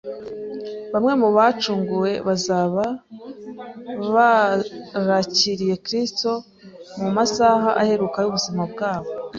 Bamwe mu bacunguwe bazaba barakiriye Kristo mu masaha aheruka y’ubuzima bwabo,